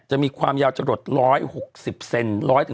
จะมีความยาวจะลด๑๐๐๑๖๐เซน